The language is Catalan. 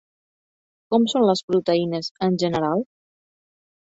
Com són les proteïnes, en general?